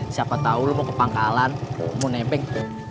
siapa tau lo mau ke pangkalan mau nebeng